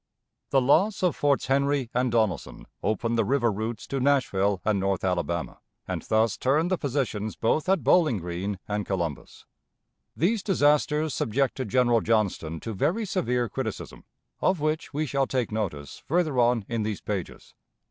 The loss of Forts Henry and Donelson opened the river routes to Nashville and north Alabama, and thus turned the positions both at Bowling Green and Columbus. These disasters subjected General Johnston to very severe criticism, of which we shall take notice further on in these pages.